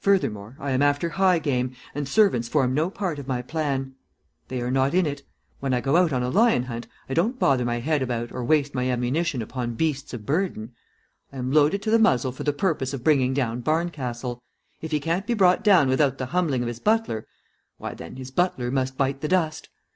Furthermore, I am after high game, and servants form no part of my plan. They are not in it. When I go out on a lion hunt I don't bother my head about or waste my ammunition upon beasts of burden. I am loaded to the muzzle for the purpose of bringing down Barncastle. If he can't be brought down without the humbling of his butler, why, then, his butler must bite the dust.